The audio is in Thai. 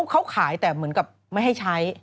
เขาขายแต่เหมือนกับไม่ให้ใช้